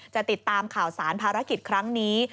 ติดตามข่าวสารภารกิจครั้งนี้